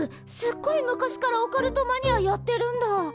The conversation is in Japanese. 昔からオカルトマニアやってるんだ！？